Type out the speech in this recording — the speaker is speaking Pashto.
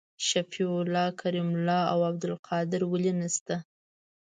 شفیع الله کریم الله او عبدالقادر ولي نسته؟